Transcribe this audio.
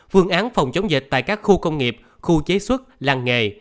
phương án phòng chống dịch tại các khu công nghiệp khu chế xuất làng nghề